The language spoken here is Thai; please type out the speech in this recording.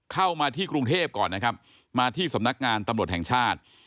เข้ามาที่กรุงเทพก่อนนะครับมาที่สำนักงานตำรวจแห่งชาติ